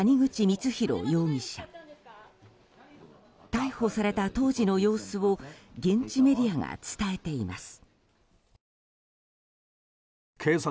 逮捕された当時の様子を現地メディアが伝えています。